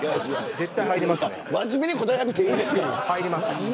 真面目に答えなくていいです。